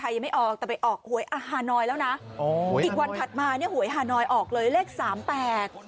อีกวันถัดมาหวยฮานอยออกเลยเลข๓แปลก